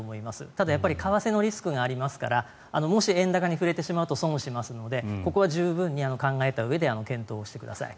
ただやっぱり為替のリスクがありますからもし円高に振れてしまうと損しますのでここは十分に考えたうえで検討してください。